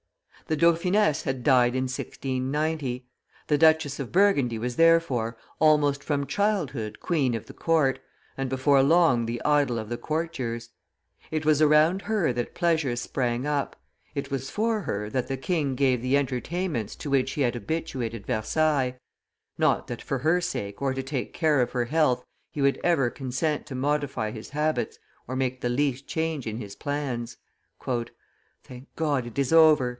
27] The dauphiness had died in 1690; the Duchess of Burgundy was, therefore, almost from childhood queen of the court, and before long the idol of the courtiers; it was around her that pleasures sprang up; it was for her that the king gave the entertainments to which he had habituated Versailles, not that for her sake or to take care of her health he would ever consent to modify his habits or make the least change in his plans. "Thank God, it is over!"